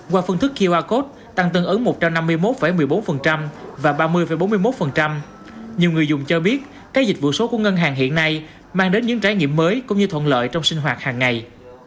qua phương thức qr code tăng tương ứng một trăm năm mươi một một mươi bốn và ba mươi bốn mươi một nhiều người dùng cho biết các dịch vụ số của ngân hàng hiện nay mang đến những trải nghiệm mới cũng như thuận lợi trong sinh hoạt hàng ngày